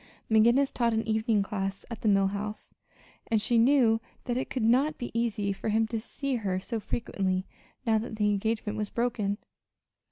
McGinnis taught an evening class at the Mill House, and she knew that it could not be easy for him to see her so frequently now that the engagement was broken.